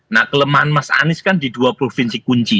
nah kelemahan mas anies kan di dua provinsi kunci